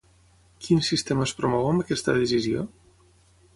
Quin sistema es promou amb aquesta decisió?